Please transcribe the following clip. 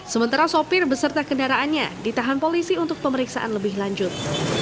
sementara sopir beserta kendaraannya ditahan polisi untuk pemeriksaan lebih lanjut